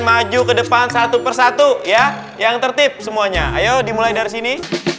maju ke depan satu persatu ya yang tertip semuanya ayo dimulai dari sini